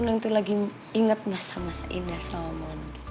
nanti lagi inget masa masa indah sama gue